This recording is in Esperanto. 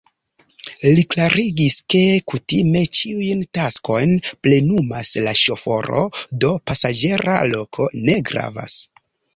Li klarigis, ke kutime ĉiujn taskojn plenumas la ŝoforo, do pasaĝera loko ne gravas.